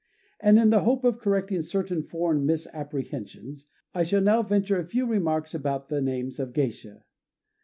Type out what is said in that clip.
And in the hope of correcting certain foreign misapprehensions, I shall now venture a few remarks about the names of geisha.